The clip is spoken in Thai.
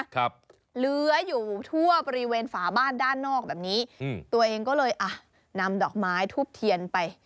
เหลืออยู่ทั่วบริเวณฝาบ้านด้านนอกแบบนี้อืมตัวเองก็เลยอ่ะนำดอกไม้ทูบเทียนไป